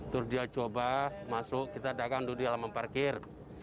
terus dia coba masuk kita dagang dulu di alaman parkir